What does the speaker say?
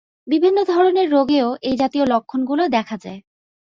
বিভিন্ন ধরনের রোগেও এই জাতীয় লক্ষণগুলো দেখা যায়।